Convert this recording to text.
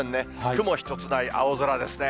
雲一つない青空ですね。